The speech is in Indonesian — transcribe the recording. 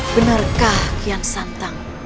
benarkah kian santang